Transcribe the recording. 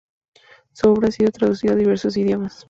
Su obra ha sido traducida a diversos idiomas.